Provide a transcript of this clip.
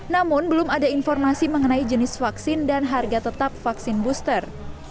namun belum ada informasi mengenai jenis vaksin dan harga tetap vaksin booster